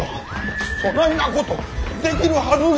そないなことできるはずが。